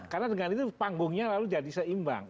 karena dengan itu panggungnya lalu jadi seimbang